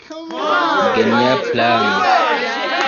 Genia plano.